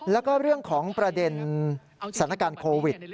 แล้วก็เรื่องของประเด็นสถานการณ์โควิด